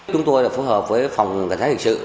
chúng tôi đã phối hợp với phòng cảnh sát hình sự